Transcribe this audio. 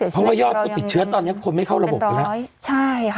เพราะยอดติดเชื้อตอนนี้คงไม่เข้าระบบกันแล้ว